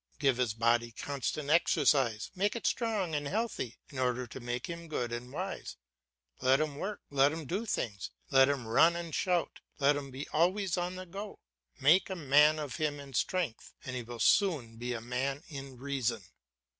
Give his body constant exercise, make it strong and healthy, in order to make him good and wise; let him work, let him do things, let him run and shout, let him be always on the go; make a man of him in strength, and he will soon be a man in reason.